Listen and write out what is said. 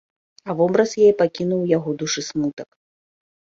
А вобраз яе пакінуў у яго душы смутак.